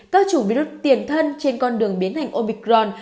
các chủng virus tiền thân trên con đường biến thành omicron